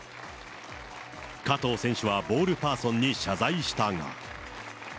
加藤選手はボールパーソンに謝罪したが。